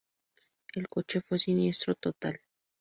El coche fue siniestro total.